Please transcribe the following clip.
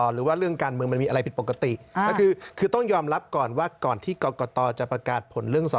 เรื่องการเมืองมันมีอะไรผิดปกติก็คือต้องยอมรับก่อนว่าก่อนที่กรกตจะประกาศผลเรื่องสอ